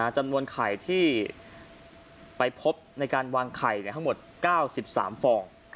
จำนวนไข่ที่ไปพบในการวางไข่ทั้งหมด๙๓ฟอง